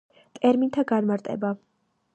ტერმინთა განარტება.